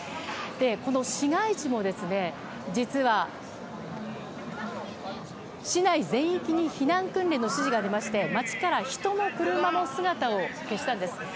この市街地も実は市内全域に避難訓練の指示が出まして街から人も車も姿を消したんです。